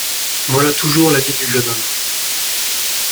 Voilà toujours l’habit du jeune homme…